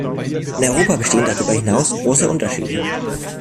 In Europa bestehen darüber hinaus große Unterschiede.